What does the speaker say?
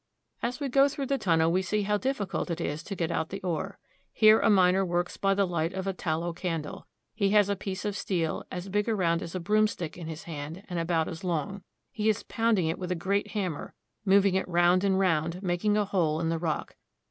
As we go through the tunnel, we see how difficult it is to get out the ore. Here a miner works by the light of a tallow candle. He has a piece of steel as big around as a broomstick in his hand, and about as long. He is pound ing it with a great hammer, moving it round and round, making a hole in the rock.